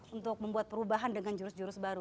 untuk membuat perubahan dengan jurus jurus baru